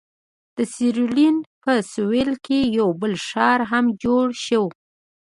د سیریلیون په سوېل کې یو بل ښار هم جوړ شو.